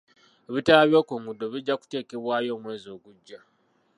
Ebitaala by'oku nguudo bijja kuteekebwayo omwezi ogujja.